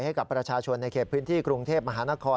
ให้กับประชาชนในเขตพื้นที่กรุงเทพมหานคร